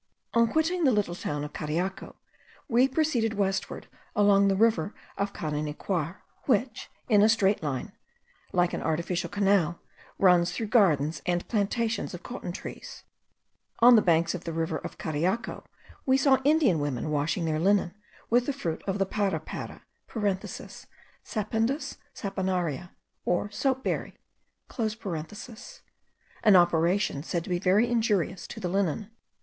On quitting the little town of Cariaco, we proceeded westward along the river of Carenicuar, which, in a straight line like an artificial canal, runs through gardens and plantations of cotton trees. On the banks of the river of Cariaco we saw the Indian women washing their linen with the fruit of the parapara (Sapindus saponaria, or soap berry), an operation said to be very injurious to the linen.